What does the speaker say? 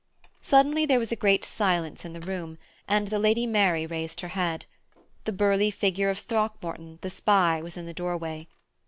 Suddenly there was a great silence in the room, and the Lady Mary raised her head. The burly figure of Throckmorton, the spy, was in the doorway.